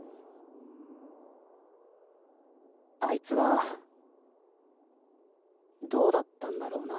あいつはどうだったんだろうな。